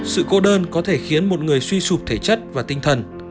sự cô đơn có thể khiến một người suy sụp thể chất và tinh thần